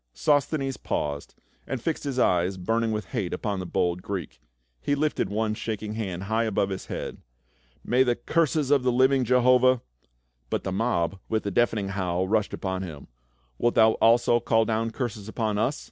Sosthenes paused, and fi.xed his eyes burning with hate upon the bold Greek ; he lifted one shaking hand 352 PA UL. high above his head. " May the curses of the living Jehovah —" But the mob with a deafening howl rushed upon him. " Wilt thou also call down curses upon us?"